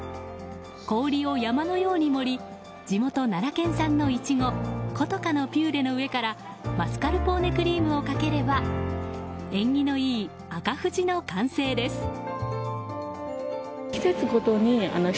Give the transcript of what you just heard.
氷を山のように盛り地元・奈良県産のイチゴ古都華のピューレの上からマスカルポーネクリームをかければ縁起のいい、赤富士の完成です。